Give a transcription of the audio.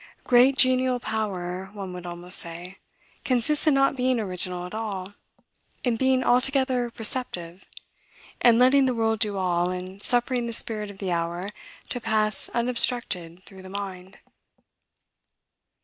Great genial power, one would almost say, consists in not being original at all; in being altogether receptive; in letting the world do all, and suffering the spirit of the hour to pass unobstructed through the mind.